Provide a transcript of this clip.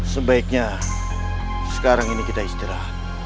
sebaiknya sekarang ini kita istirahat